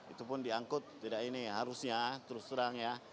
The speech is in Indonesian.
itu pun diangkut tidak ini harusnya terus terang ya